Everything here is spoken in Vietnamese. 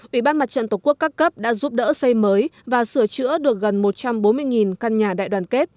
ủy ban mặt trận tổ quốc các cấp đã giúp đỡ xây mới và sửa chữa được gần một trăm bốn mươi căn nhà đại đoàn kết